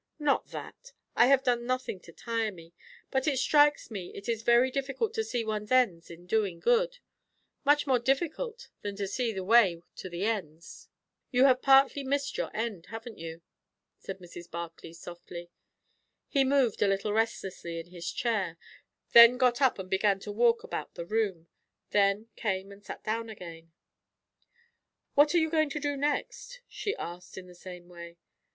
"Not that. I have done nothing to tire me; but it strikes me it is very difficult to see one's ends in doing good; much more difficult than to see the way to the ends." "You have partly missed your end, haven't you?" said Mrs. Barclay softly. He moved a little restlessly in his chair; then got up and began to walk about the room; then came and sat down again. "What are you going to do next?" she asked in the same way.